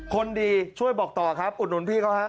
๔๓๓๐๘๖๖๐คนดีช่วยบอกต่อครับอุดหนุนพี่เขาครับ